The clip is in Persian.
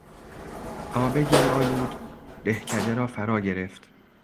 آب گلآلود دهکده را فرا گرفت.